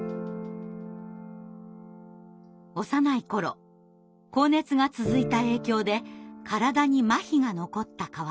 幼い頃高熱が続いた影響で体にまひが残った川崎さん。